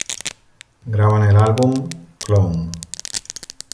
Graban el álbum "Clone".